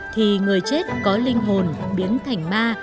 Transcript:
thì người chết có linh hồn biến thành ma